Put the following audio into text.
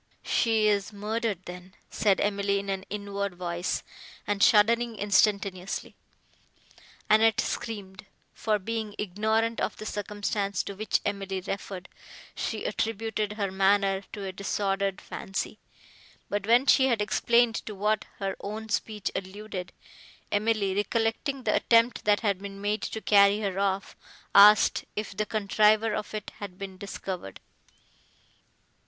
"She is murdered, then!" said Emily in an inward voice, and shuddering instantaneously. Annette screamed; for, being ignorant of the circumstance to which Emily referred, she attributed her manner to a disordered fancy; but, when she had explained to what her own speech alluded, Emily, recollecting the attempt that had been made to carry her off, asked if the contriver of it had been discovered.